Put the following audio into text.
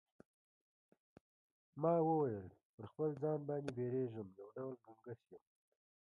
ما وویل پر خپل ځان باندی بیریږم یو ډول ګنګس یم.